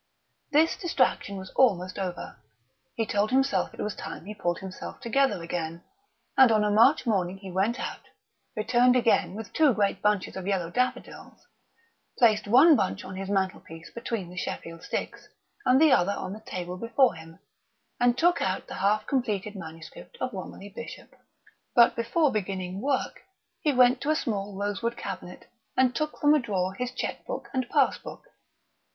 This distraction was almost over; he told himself it was time he pulled himself together again; and on a March morning he went out, returned again with two great bunches of yellow daffodils, placed one bunch on his mantelpiece between the Sheffield sticks and the other on the table before him, and took out the half completed manuscript of Romilly Bishop. But before beginning work he went to a small rosewood cabinet and took from a drawer his cheque book and pass book.